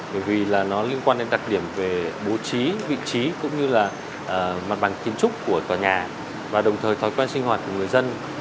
bởi vì là nó liên quan đến đặc điểm về bố trí vị trí cũng như là mặt bằng kiến trúc của tòa nhà và đồng thời thói quen sinh hoạt của người dân